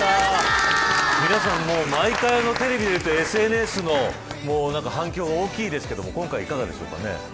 皆さん毎回テレビに出てＳＮＳの反響が大きいですけど今回はいかがでしょうか。